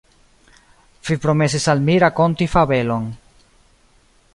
Vi promesis al mi rakonti fabelon.